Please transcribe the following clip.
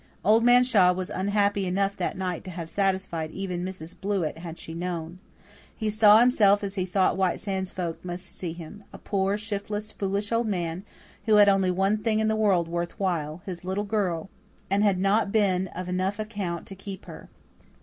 Old Man Shaw was unhappy enough that night to have satisfied even Mrs. Blewett had she known. He saw himself as he thought White Sands folk must see him a poor, shiftless, foolish old man, who had only one thing in the world worthwhile, his little girl, and had not been of enough account to keep her.